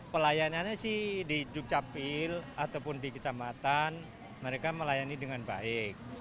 pelayanannya sih di dukcapil ataupun di kecamatan mereka melayani dengan baik